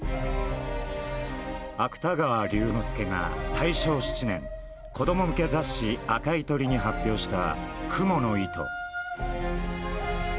芥川龍之介が大正７年、子ども向け雑誌、赤い鳥に発表した蜘蛛の糸。